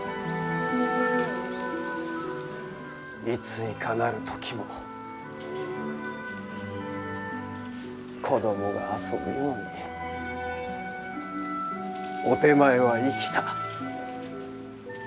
いついかなる時も子どもが遊ぶようにお手前は生きた。